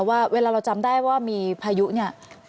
ว่าเวลาเราจำได้ว่ามีพายุเนี่ย